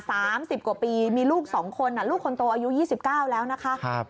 สามสิบกว่าปีมีลูกสองคนอ่ะลูกคนโตอายุยี่สิบเก้าแล้วนะคะครับ